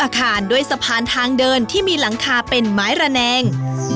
สะพานทางเดินที่มีหลังคาเป็นไม้ระแนนก